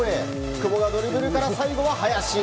久保がドリブルから最後は林。